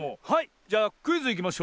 じゃあクイズいきましょう。